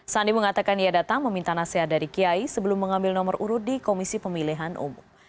sandi mengatakan ia datang meminta nasihat dari kiai sebelum mengambil nomor urut di komisi pemilihan umum